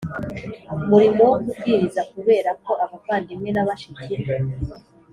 murimo wo kubwiriza Kubera ko abavandimwe na bashiki